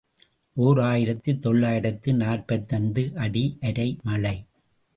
ஓர் ஆயிரத்து தொள்ளாயிரத்து நாற்பத்தைந்து ஆடி அரை மழை.